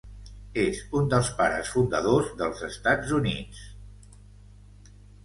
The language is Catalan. És un dels Pares fundadors dels Estats Units.